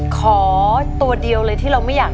ขอตัวเดียวเลยที่เราไม่อยาก